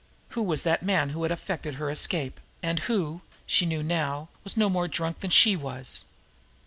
Who was that man who had effected her escape, and who, she knew now, was no more drunk than she was?